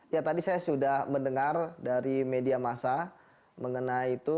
ya tadi saya mendengar dari media massa mengenai itu